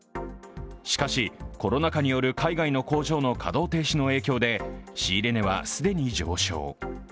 しかし、コロナ禍による海外の工場の稼働停止の影響で仕入れ値は既に上昇。